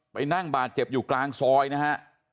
ไปนั่งบาดเจ็บอยู่กลางซอยนะฮะ